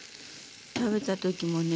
食べた時もね